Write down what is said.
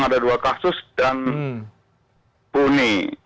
ada dua kasus dan buni